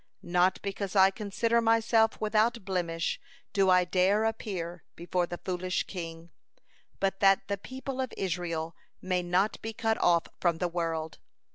Not because I consider myself without blemish, do I dare appear before the foolish king, but that the people of Israel may not be cut off from the world.